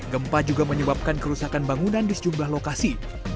gempa juga menyebabkan kerusakan bangunan di sejumlah lokasi